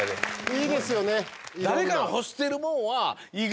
いいですよね。